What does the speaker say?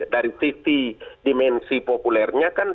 dari lima puluh dimensi populernya kan